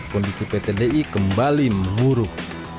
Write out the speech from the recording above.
kondisi pt di kembali menguruk